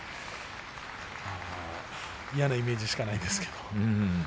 嫌なイメージしかないんですけど。